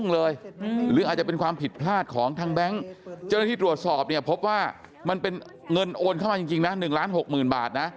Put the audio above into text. แล้วที่ตรวจสอบเนี่ยพบว่ามันเป็นเงินโอนเข้ามาจริงนะ๑ล้าน๖๐๐๐๐บาทนะ